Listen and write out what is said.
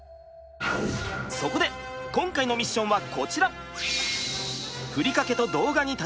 そこで今回のミッションはこちら！